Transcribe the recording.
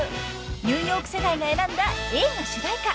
［ニューヨーク世代が選んだ映画主題歌］